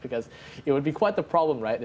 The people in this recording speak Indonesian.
karena itu akan menjadi masalah bukan